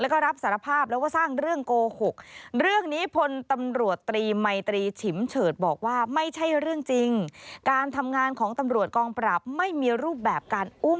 แล้วก็รับสารภาพแล้วก็สร้างเรื่องโกหก